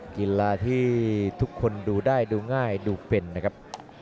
กีฬาที่ทุกคนดูได้ดูง่ายดูเป็นนะครับ